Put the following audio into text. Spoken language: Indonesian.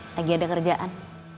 lagi ada kerjaan